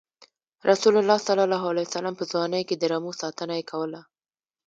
رسول الله ﷺ په ځوانۍ کې د رمو ساتنه یې کوله.